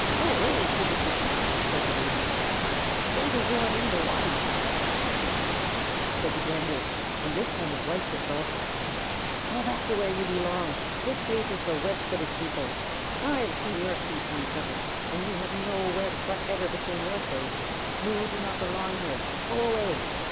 "Go way, pitty Chickie!" said the Baby. "Baby goin' in de watty." "S s s s s!" said the Gander, and this time his wife hissed also. "Go back to the place where you belong. This place is for web footed people. I have seen your feet uncovered, and you have no webs whatever between your toes. You do not belong here. Go away!"